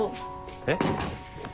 えっ？